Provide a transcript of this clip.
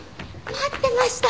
待ってました！